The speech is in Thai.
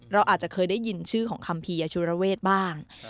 เราอาจจะเคยได้ยินชื่อของคัมภีร์ชุระเวทบ้าง